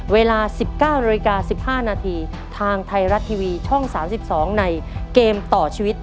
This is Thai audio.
เวลาสิบเก้าโรยกาสิบห้านาทีทางไทยรัฐทีวีช่องสามสิบสองในเกมต่อชีวิต